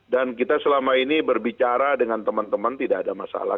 dan kita selama ini berbicara dengan teman teman tidak ada masalah